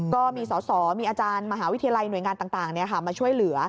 ก็มีสอสอมีอาจารย์มหาวิทยาลัยหน่วยงานต่างมาช่วยเหลือ